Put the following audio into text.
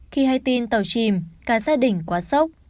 khi hay tin tàu chìm cả gia đình quá sốc